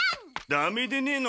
ダメでねえの。